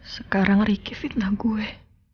sekarang riki fitnah gue